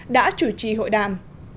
đã chủ trì hội đàm